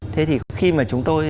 thế thì khi chúng tôi